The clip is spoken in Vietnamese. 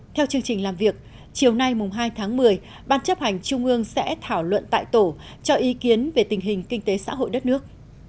theo chương trình làm việc chiều nay hai tháng một mươi ban chấp hành trung ương sẽ thảo luận tại tổ cho ý kiến về tình hình kinh tế xã hội đất nước